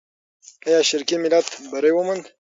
آیا شرقي ملت بری وموند؟